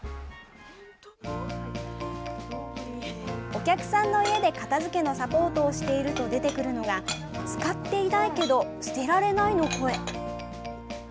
お客さんの家で片づけのサポートをしていると出てくるのが使っていないけど捨てられないの声。